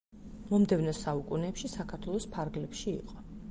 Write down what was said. მომდევნო საუკუნეებში საქართველოს ფარგლებში იყო.